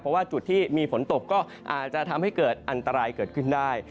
เพราะว่าจุดที่มีฝนตกก็อาจจะทำให้เกิดอันตรายเกิดขึ้นได้